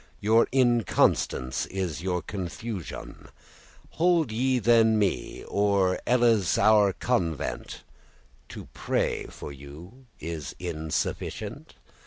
Your inconstance is your confusioun. Hold ye then me, or elles our convent, To praye for you insufficient?